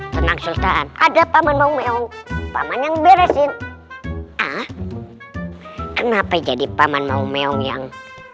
tenang sultan ada paman mau meong paman yang beresin kenapa jadi paman mau meong yang